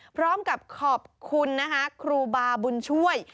พร้อมกับขอบคุณนะคะครูบาบุญช่วย